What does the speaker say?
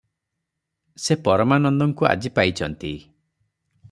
ସେ ପରମାନନ୍ଦଙ୍କୁ ଆଜି ପାଇଚନ୍ତି ।